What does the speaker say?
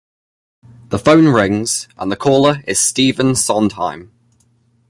The phone rings, and the caller is Stephen Sondheim.